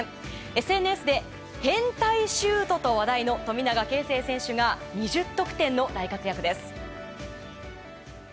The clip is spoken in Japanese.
ＳＮＳで変態シュートと話題の富永啓生選手が２０得点の大活躍です。